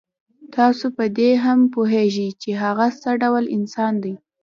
تاسو په دې هم پوهېږئ چې هغه څه ډول انسان دی.